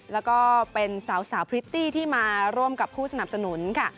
แล้วก็เป็นสาวพริตตี้ที่มาร่วมกับผู้สนับสนุนค่ะ